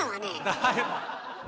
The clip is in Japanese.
はい！